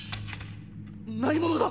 何者だ